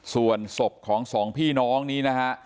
ส่วนศพของสองพี่น้องนี้นะฮะ